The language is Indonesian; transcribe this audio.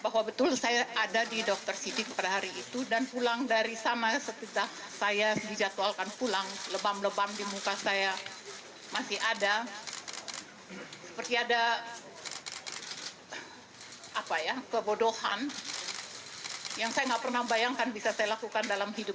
ratna sarumpai sebelumnya mengakui sendiri kebohongannya kepada sejumlah media masa di kediamannya